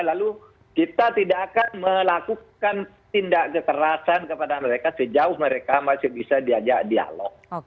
lalu kita tidak akan melakukan tindak kekerasan kepada mereka sejauh mereka masih bisa diajak dialog